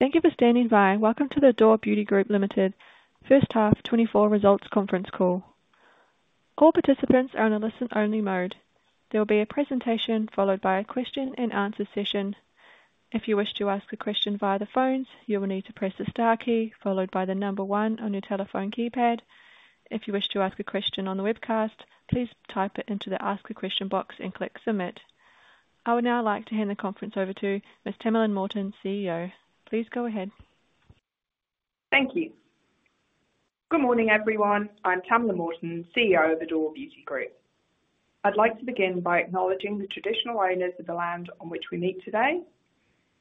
Thank you for standing by. Welcome to the Adore Beauty Group Limited first half 2024 results conference call. All participants are in a listen-only mode. There will be a presentation followed by a question-and-answer session. If you wish to ask a question via the phones, you will need to press the star key followed by the number one on your telephone keypad. If you wish to ask a question on the webcast, please type it into the Ask a Question box and click submit. I would now like to hand the conference over to Miss Tamalin Morton, CEO. Please go ahead. Thank you. Good morning, everyone. I'm Tamalin Morton, CEO of Adore Beauty Group. I'd like to begin by acknowledging the traditional owners of the land on which we meet today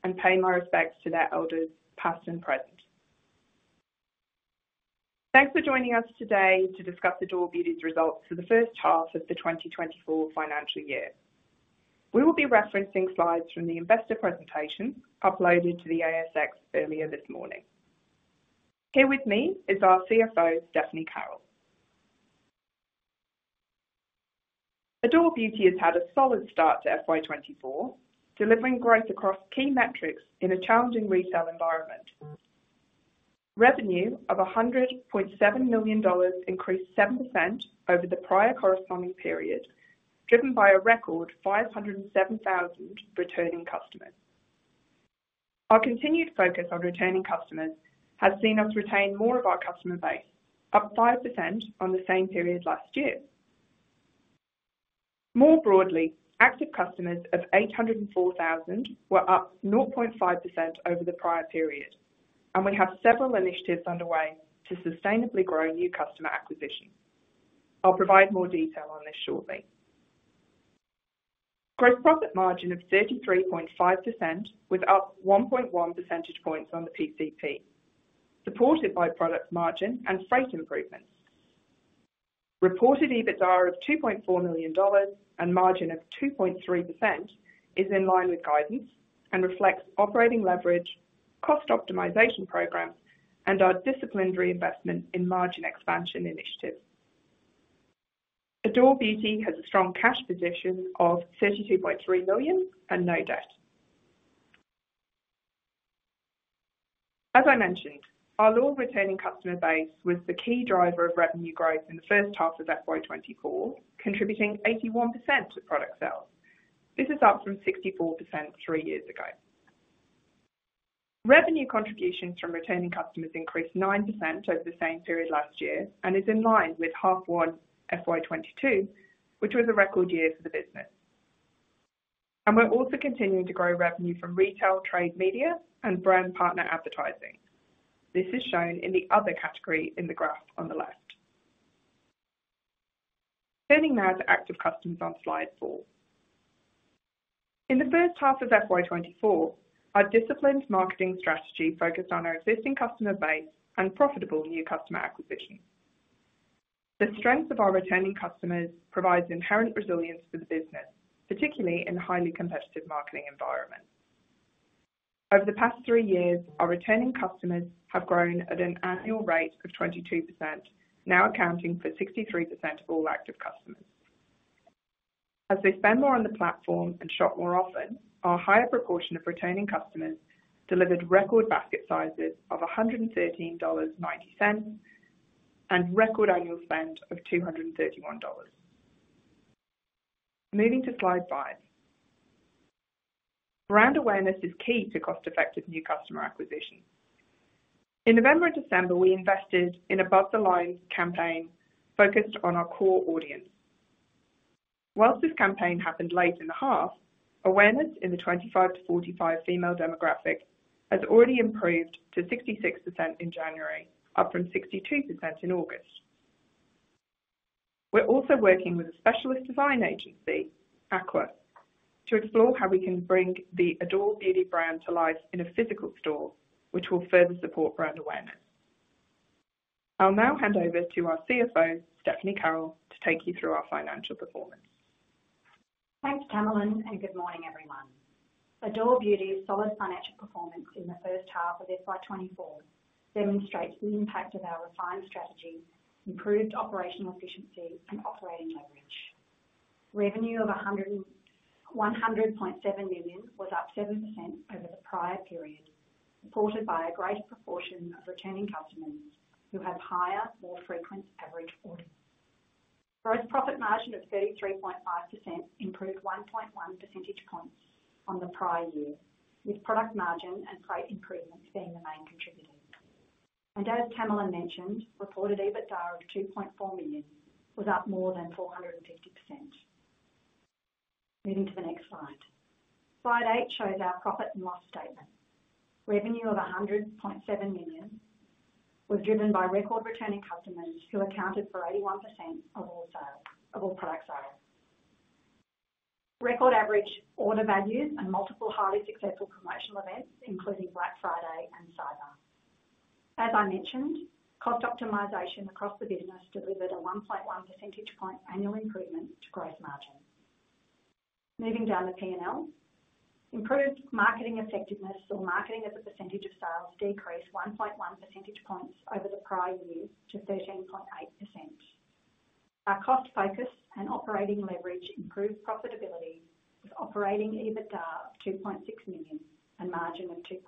and pay my respects to their elders, past and present. Thanks for joining us today to discuss Adore Beauty's results for the first half of the 2024 financial year. We will be referencing slides from the investor presentation uploaded to the ASX earlier this morning. Here with me is our CFO, Stephanie Carroll. Adore Beauty has had a solid start to FY24, delivering growth across key metrics in a challenging retail environment. Revenue of $100.7 million increased 7% over the prior corresponding period, driven by a record 507,000 returning customers. Our continued focus on returning customers has seen us retain more of our customer base, up 5% on the same period last year. More broadly, active customers of 804,000 were up 0.5% over the prior period, and we have several initiatives underway to sustainably grow new customer acquisition. I'll provide more detail on this shortly. Gross profit margin of 33.5% with up 1.1 percentage points on the PCP, supported by product margin and freight improvements. Reported EBITDA of $2.4 million and margin of 2.3% is in line with guidance and reflects operating leverage, cost optimization programs, and our disciplined investment in margin expansion initiatives. Adore Beauty has a strong cash position of $32.3 million and no debt. As I mentioned, our lower returning customer base was the key driver of revenue growth in the first half of FY24, contributing 81% to product sales. This is up from 64% three years ago. Revenue contributions from returning customers increased 9% over the same period last year and is in line with H1 FY22, which was a record year for the business. We're also continuing to grow revenue from retail, trade, media, and brand partner advertising. This is shown in the other category in the graph on the left. Turning now to active customers on slide 4. In the first half of FY24, our disciplined marketing strategy focused on our existing customer base and profitable new customer acquisitions. The strength of our returning customers provides inherent resilience for the business, particularly in a highly competitive marketing environment. Over the past three years, our returning customers have grown at an annual rate of 22%, now accounting for 63% of all active customers. As they spend more on the platform and shop more often, our higher proportion of returning customers delivered record basket sizes of $130.90 and record annual spend of $231. Moving to slide 5. Brand awareness is key to cost-effective new customer acquisition. In November and December, we invested in Above the Line campaign focused on our core audience. While this campaign happened late in the half, awareness in the 25-45 female demographic has already improved to 66% in January, up from 62% in August. We're also working with a specialist design agency, AKQA, to explore how we can bring the Adore Beauty brand to life in a physical store, which will further support brand awareness. I'll now hand over to our CFO, Stephanie Carroll, to take you through our financial performance. Thanks, Tamalin, and good morning, everyone. Adore Beauty's solid financial performance in the first half of FY24 demonstrates the impact of our refined strategy, improved operational efficiency, and operating leverage. Revenue of $100.7 million was up 7% over the prior period, supported by a greater proportion of returning customers who have higher, more frequent average orders. Gross profit margin of 33.5% improved 1.1 percentage points on the prior year, with product margin and freight improvements being the main contributors. As Tamalin mentioned, reported EBITDA of $2.4 million was up more than 450%. Moving to the next slide. Slide 8 shows our profit and loss statement. Revenue of $ 100.7 million was driven by record returning customers who accounted for 81% of all product sales. Record average order values and multiple highly successful promotional events, including Black Friday and Cyber. As I mentioned, cost optimization across the business delivered a 1.1 percentage point annual improvement to gross margin. Moving down the P&L, improved marketing effectiveness, or marketing as a percentage of sales, decreased 1.1 percentage points over the prior year to 13.8%. Our cost focus and operating leverage improved profitability with operating EBITDA of $2.6 million and margin of 2.6%.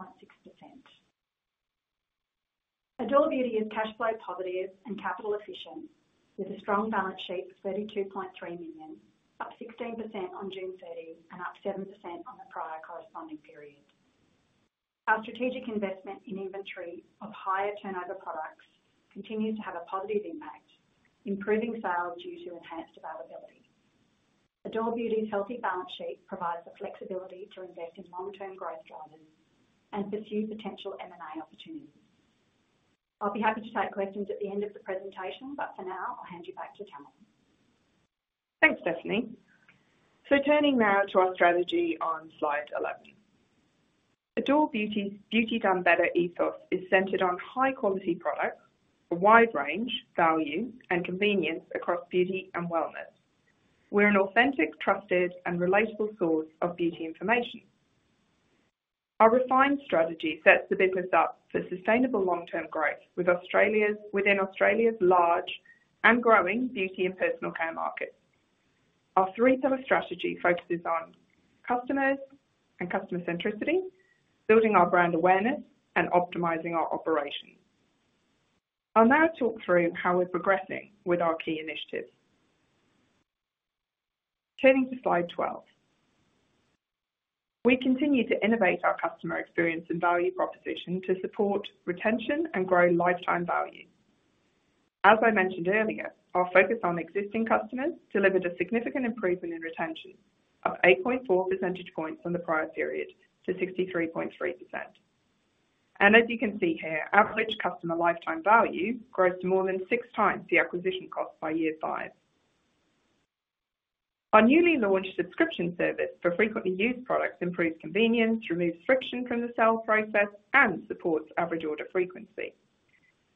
Adore Beauty is cash flow positive and capital efficient, with a strong balance sheet of $32.3 million, up 16% on June 30 and up 7% on the prior corresponding period. Our strategic investment in inventory of higher turnover products continues to have a positive impact, improving sales due to enhanced availability. Adore Beauty's healthy balance sheet provides the flexibility to invest in long-term growth drivers and pursue potential M&A opportunities. I'll be happy to take questions at the end of the presentation, but for now, I'll hand you back to Tamalin. Thanks, Stephanie. So turning now to our strategy on slide two. Adore Beauty's Beauty Done Better ethos is centered on high-quality products for wide range, value, and convenience across beauty and wellness. We're an authentic, trusted, and relatable source of beauty information. Our refined strategy sets the business up for sustainable long-term growth within Australia's large and growing beauty and personal care markets. Our three-pillar strategy focuses on customers and customer centricity, building our brand awareness, and optimizing our operations. I'll now talk through how we're progressing with our key initiatives. Turning to slide 12. We continue to innovate our customer experience and value proposition to support retention and grow lifetime value. As I mentioned earlier, our focus on existing customers delivered a significant improvement in retention, up 8.4 percentage points on the prior period to 63.3%. As you can see here, average customer lifetime value grows to more than 6 times the acquisition cost by year 5. Our newly launched subscription service for frequently used products improves convenience, removes friction from the sale process, and supports average order frequency.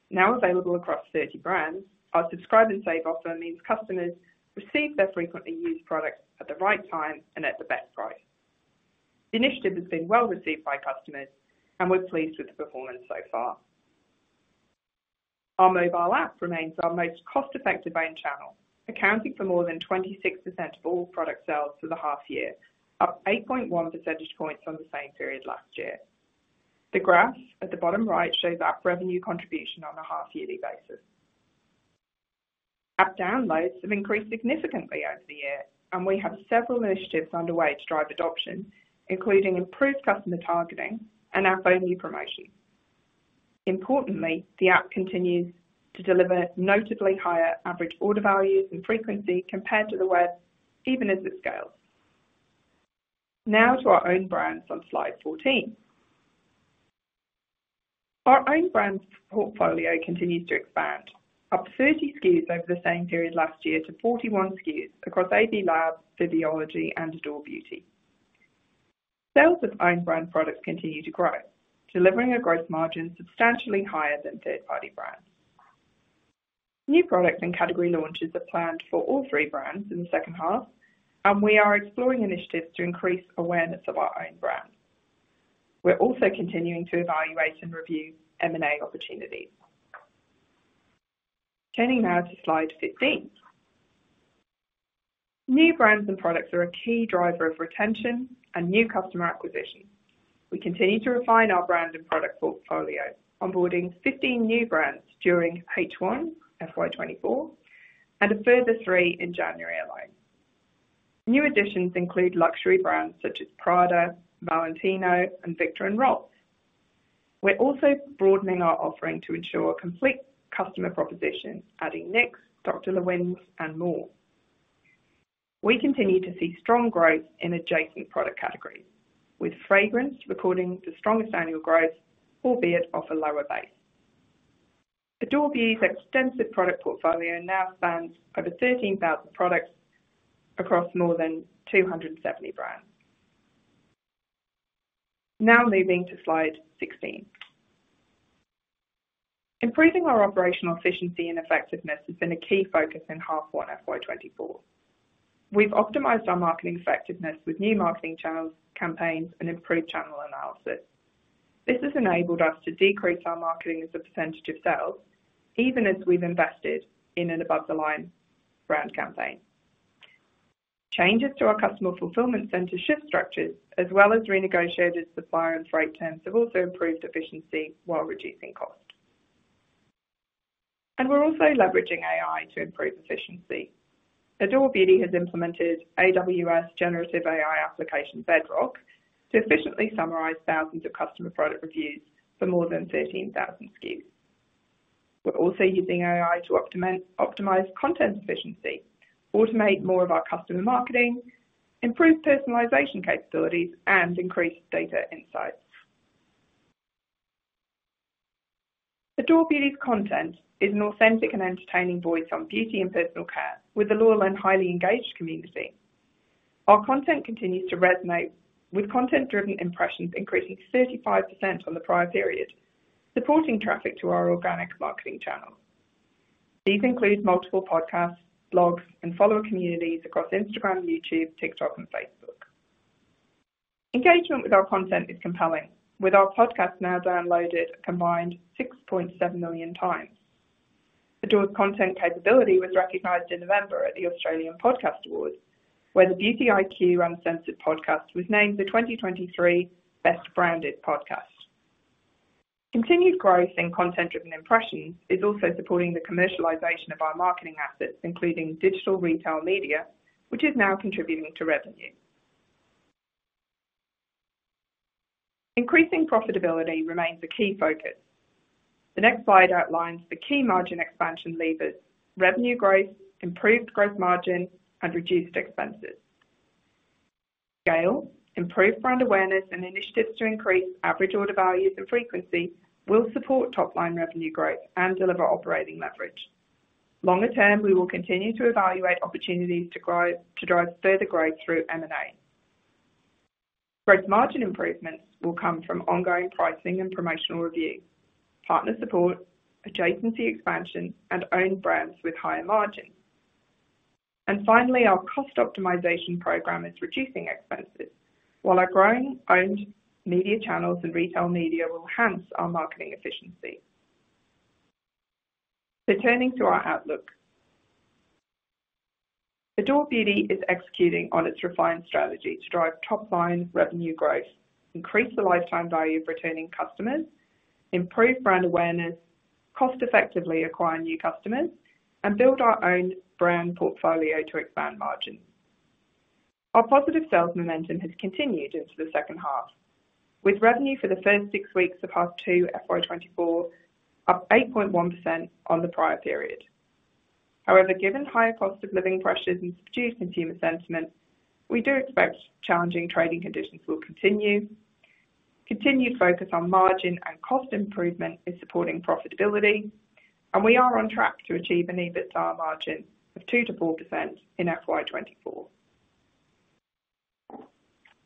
Now available across 30 brands, our Subscribe and Save offer means customers receive their frequently used products at the right time and at the best price. The initiative has been well received by customers, and we're pleased with the performance so far. Our mobile app remains our most cost-effective owned channel, accounting for more than 26% of all product sales for the half year, up 8.1 percentage points on the same period last year. The graph at the bottom right shows app revenue contribution on a half-yearly basis. App downloads have increased significantly over the year, and we have several initiatives underway to drive adoption, including improved customer targeting and app-only promotion. Importantly, the app continues to deliver notably higher average order values and frequency compared to the web, even as it scales. Now to our own brands on slide 14. Our own brands portfolio continues to expand, up 30 SKUs over the same period last year to 41 SKUs across AB Lab, Viviology, and Adore Beauty. Sales of owned brand products continue to grow, delivering a gross margin substantially higher than third-party brands. New product and category launches are planned for all three brands in the second half, and we are exploring initiatives to increase awareness of our own brands. We're also continuing to evaluate and review M&A opportunities. Turning now to slide 15. New brands and products are a key driver of retention and new customer acquisition. We continue to refine our brand and product portfolio, onboarding 15 new brands during H1 FY24 and a further 3 in January alone. New additions include luxury brands such as Prada, Valentino, and Viktor&Rolf. We're also broadening our offering to ensure a complete customer proposition, adding NYX, Dr. LeWinn's, and more. We continue to see strong growth in adjacent product categories, with fragrance recording the strongest annual growth, albeit off a lower base. Adore Beauty's extensive product portfolio now spans over 13,000 products across more than 270 brands. Now moving to slide 16. Improving our operational efficiency and effectiveness has been a key focus in H1 FY24. We've optimized our marketing effectiveness with new marketing channels, campaigns, and improved channel analysis. This has enabled us to decrease our marketing as a percentage of sales, even as we've invested in an Above the Line brand campaign. Changes to our customer fulfillment center shift structures, as well as renegotiated supplier and freight terms, have also improved efficiency while reducing cost. We're also leveraging AI to improve efficiency. Adore Beauty has implemented Amazon Bedrock to efficiently summarize thousands of customer product reviews for more than 13,000 SKUs. We're also using AI to optimize content efficiency, automate more of our customer marketing, improve personalization capabilities, and increase data insights. Adore Beauty's content is an authentic and entertaining voice on beauty and personal care, with a loyal and highly engaged community. Our content continues to resonate with content-driven impressions, increasing to 35% on the prior period, supporting traffic to our organic marketing channels. These include multiple podcasts, blogs, and follower communities across Instagram, YouTube, TikTok, and Facebook. Engagement with our content is compelling, with our podcast now downloaded a combined 6.7 million times. Adore's content capability was recognized in November at the Australian Podcast Awards, where the Beauty IQ Uncensored podcast was named the 2023 Best Branded Podcast. Continued growth in content-driven impressions is also supporting the commercialization of our marketing assets, including digital retail media, which is now contributing to revenue. Increasing profitability remains a key focus. The next slide outlines the key margin expansion levers: revenue growth, improved gross margin, and reduced expenses. Scale, improved brand awareness, and initiatives to increase average order values and frequency will support top-line revenue growth and deliver operating leverage. Longer term, we will continue to evaluate opportunities to drive further growth through M&A. Gross margin improvements will come from ongoing pricing and promotional review, partner support, adjacency expansion, and owned brands with higher margins. And finally, our cost optimization program is reducing expenses, while our growing owned media channels and retail media will enhance our marketing efficiency. So turning to our outlook. Adore Beauty is executing on its refined strategy to drive top-line revenue growth, increase the lifetime value of returning customers, improve brand awareness, cost-effectively acquire new customers, and build our own brand portfolio to expand margins. Our positive sales momentum has continued into the second half, with revenue for the first six weeks of half 2 FY24 up 8.1% on the prior period. However, given higher cost of living pressures and subdued consumer sentiment, we do expect challenging trading conditions will continue. Continued focus on margin and cost improvement is supporting profitability, and we are on track to achieve an EBITDA margin of 2%-4% in FY24.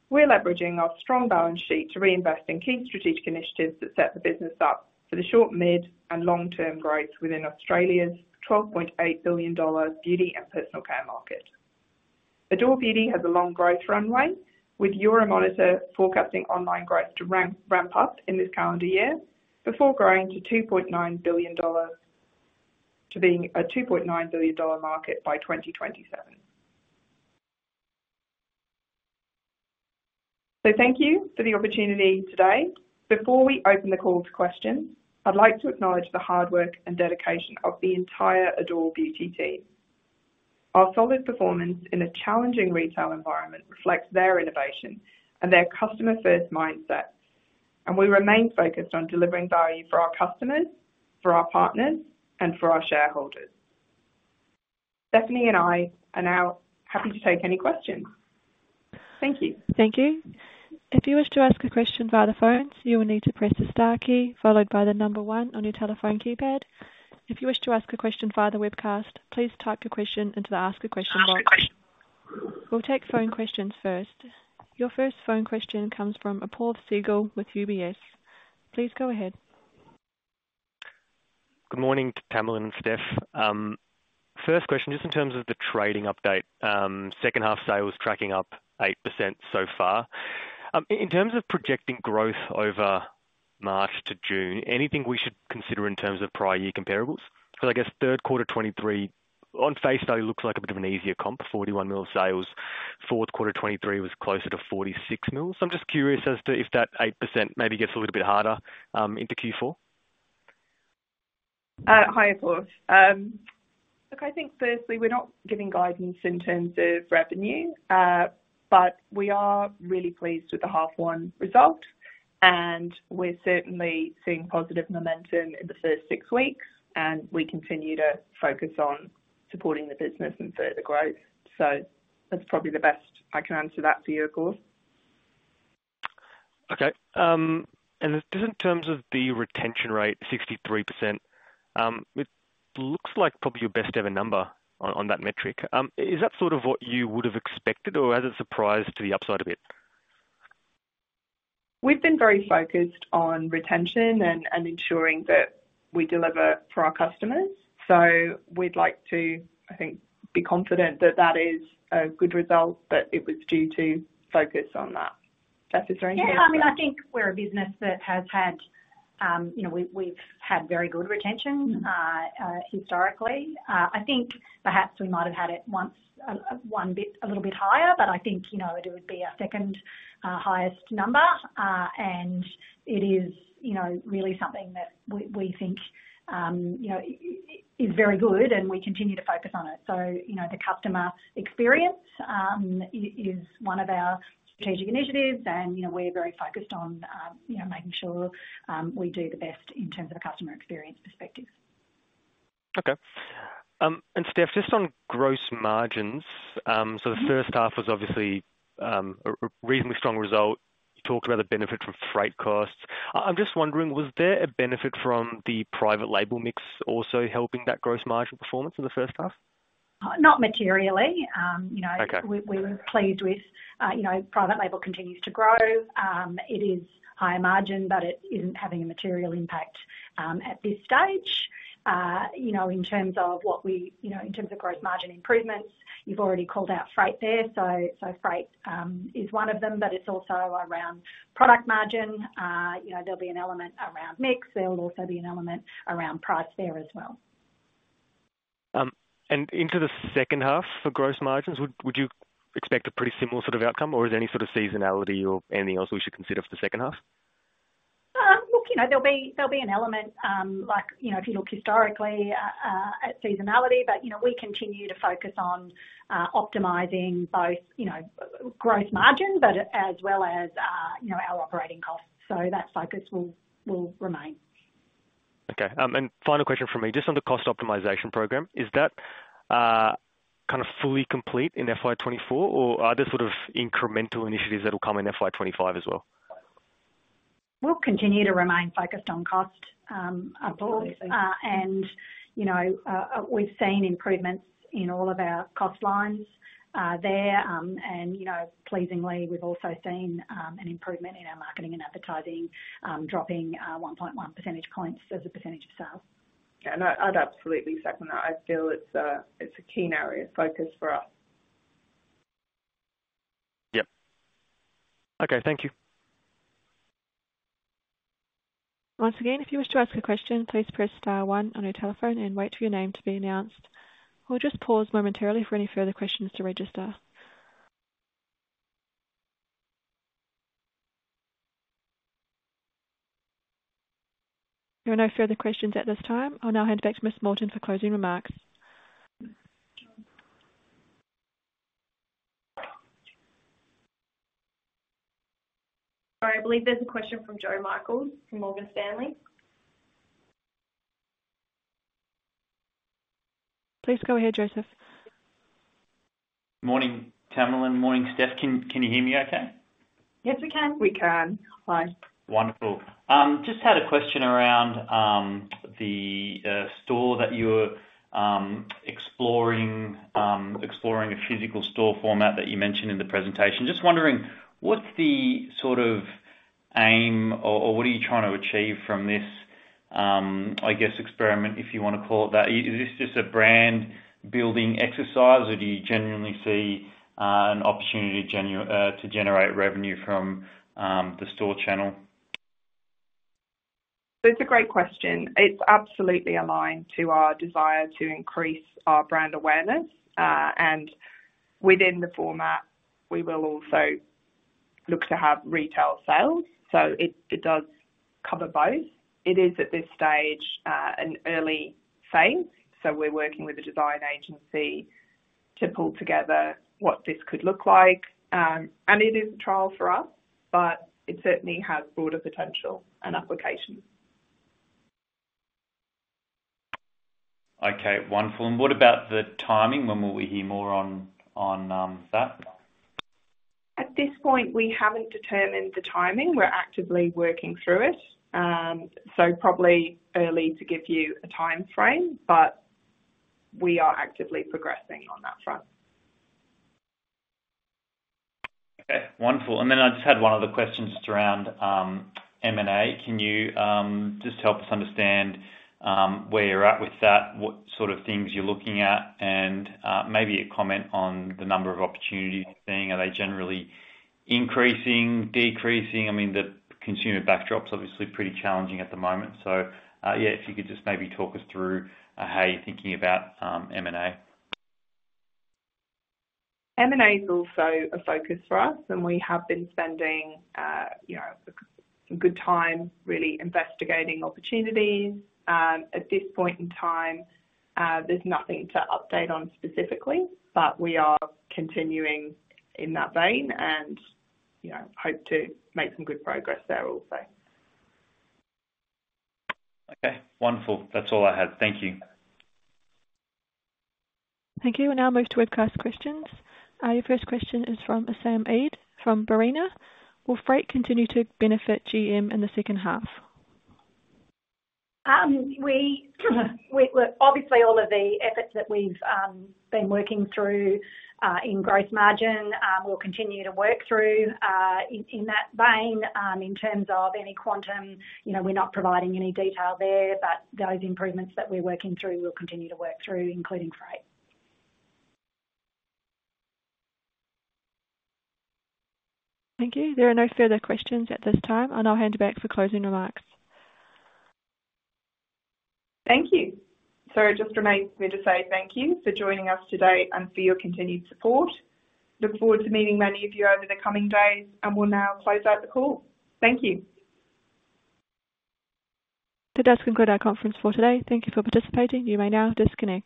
We're leveraging our strong balance sheet to reinvest in key strategic initiatives that set the business up for the short, mid-, and long-term growth within Australia's $12.8 billion beauty and personal care market. Adore Beauty has a long growth runway, with Euromonitor forecasting online growth to ramp up in this calendar year before growing to $2.9 billion to being a $2.9 billion market by 2027. Thank you for the opportunity today. Before we open the call to questions, I'd like to acknowledge the hard work and dedication of the entire Adore Beauty team. Our solid performance in a challenging retail environment reflects their innovation and their customer-first mindset, and we remain focused on delivering value for our customers, for our partners, and for our shareholders. Stephanie and I are now happy to take any questions. Thank you. Thank you. If you wish to ask a question via the phone, you will need to press the star key followed by the number one on your telephone keypad. If you wish to ask a question via the webcast, please type your question into the Ask a Question box. We'll take phone questions first. Your first phone question comes from Apoorv Sehgal with UBS. Please go ahead. Good morning to Tamalin and Steph. First question, just in terms of the trading update. Second half sales tracking up 8% so far. In terms of projecting growth over March to June, anything we should consider in terms of prior year comparables? Because I guess third quarter 2023, on face value, looks like a bit of an easier comp: $41 million sales. Fourth quarter 2023 was closer to $46 million. So I'm just curious as to if that 8% maybe gets a little bit harder into Q4. Hi Apoorv. Look, I think firstly, we're not giving guidance in terms of revenue, but we are really pleased with the H1 result. We're certainly seeing positive momentum in the first six weeks, and we continue to focus on supporting the business and further growth. That's probably the best I can answer that for you, of course. Okay. Just in terms of the retention rate, 63%, it looks like probably your best-ever number on that metric. Is that sort of what you would have expected, or has it surprised to the upside a bit? We've been very focused on retention and ensuring that we deliver for our customers. So we'd like to, I think, be confident that that is a good result, but it was due to focus on that. Steph, is there anything else? Yeah. I mean, I think we're a business that we've had very good retention historically. I think perhaps we might have had it once a little bit higher, but I think it would be our second highest number. And it is really something that we think is very good, and we continue to focus on it. So the customer experience is one of our strategic initiatives, and we're very focused on making sure we do the best in terms of a customer experience perspective. Okay. Steph, just on gross margins, so the first half was obviously a reasonably strong result. You talked about the benefit from freight costs. I'm just wondering, was there a benefit from the private label mix also helping that gross margin performance in the first half? Not materially. We were pleased with private label continues to grow. It is higher margin, but it isn't having a material impact at this stage. In terms of gross margin improvements, you've already called out freight there, so freight is one of them, but it's also around product margin. There'll be an element around mix. There'll also be an element around price there as well. Into the second half for gross margins, would you expect a pretty similar sort of outcome, or is there any sort of seasonality or anything else we should consider for the second half? Look, there'll be an element if you look historically at seasonality, but we continue to focus on optimizing both gross margin but as well as our operating costs. So that focus will remain. Okay. Final question from me, just on the cost optimization program, is that kind of fully complete in FY24, or are there sort of incremental initiatives that will come in FY25 as well? We'll continue to remain focused on cost upwards. We've seen improvements in all of our cost lines there. Pleasingly, we've also seen an improvement in our marketing and advertising dropping 1.1 percentage points as a percentage of sales. Yeah. No, I'd absolutely second that. I feel it's a keen area of focus for us. Yep. Okay. Thank you. Once again, if you wish to ask a question, please press star one on your telephone and wait for your name to be announced. We'll just pause momentarily for any further questions to register. There are no further questions at this time. I'll now hand back to Miss Morton for closing remarks. Sorry. I believe there's a question from Joseph Michael from Morgan Stanley. Please go ahead, Joseph. Morning, Tamalin. Morning, Steph. Can you hear me okay? Yes, we can. We can. Hi. Wonderful. Just had a question around the store that you were exploring, exploring a physical store format that you mentioned in the presentation. Just wondering, what's the sort of aim or what are you trying to achieve from this, I guess, experiment, if you want to call it that? Is this just a brand-building exercise, or do you genuinely see an opportunity to generate revenue from the store channel? So it's a great question. It's absolutely aligned to our desire to increase our brand awareness. Within the format, we will also look to have retail sales. So it does cover both. It is, at this stage, an early phase. So we're working with a design agency to pull together what this could look like. It is a trial for us, but it certainly has broader potential and application. Okay. Wonderful. What about the timing? When will we hear more on that? At this point, we haven't determined the timing. We're actively working through it. So probably early to give you a timeframe, but we are actively progressing on that front. Okay. Wonderful. And then I just had one other question just around M&A. Can you just help us understand where you're at with that, what sort of things you're looking at, and maybe a comment on the number of opportunities you're seeing? Are they generally increasing, decreasing? I mean, the consumer backdrop's obviously pretty challenging at the moment. So yeah, if you could just maybe talk us through how you're thinking about M&A. M&A's also a focus for us, and we have been spending some good time really investigating opportunities. At this point in time, there's nothing to update on specifically, but we are continuing in that vein and hope to make some good progress there also. Okay. Wonderful. That's all I had. Thank you. Thank you. We'll now move to webcast questions. Your first question is from Aryan Norozi from Barrenjoey. Will freight continue to benefit GM in the second half? Obviously, all of the efforts that we've been working through in gross margin, we'll continue to work through in that vein. In terms of any quantum, we're not providing any detail there, but those improvements that we're working through, we'll continue to work through, including freight. Thank you. There are no further questions at this time. I'll now hand back for closing remarks. Thank you. So it just remains for me to say thank you for joining us today and for your continued support. Look forward to meeting many of you over the coming days, and we'll now close out the call. Thank you. That concludes our conference for today. Thank you for participating. You may now disconnect.